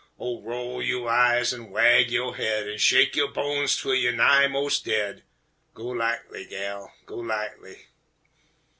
Oh, roll yo' eyes an' wag yo' haid An' shake yo' bones twel you nigh most daid, Go lightly, gal, go lightly!